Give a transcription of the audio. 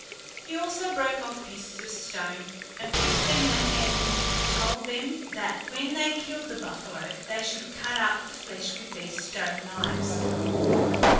He also broke off pieces of stone, and fixed them in a handle, and told them that when they killed the buffalo they should cut up the flesh with these stone knives.